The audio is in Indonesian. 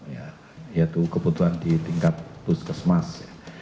yaitu kebutuhan di tingkat puskesmas